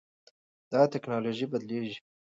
دا ټکنالوژي بدلېږي.